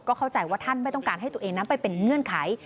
เข้าใจว่าท่านไม่ต้องการให้ตัวเองนั้นไปเป็นเงื่อนไข